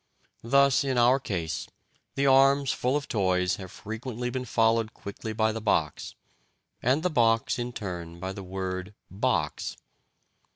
Thus, in our case, the arms full of toys have frequently been followed quickly by the box, and the box in turn by the word "box."